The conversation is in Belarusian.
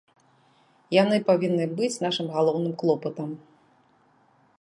Яны павінны быць нашым галоўным клопатам.